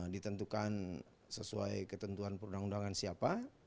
ditentukan sesuai ketentuan perundang undangan siapa